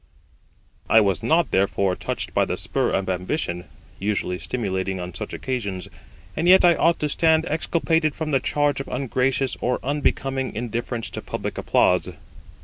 I was not, therefore, touched by the spur of ambition, usually stimulating on such occasions; and yet I ought to stand exculpated from the charge of ungracious or unbecoming indifference to public applause.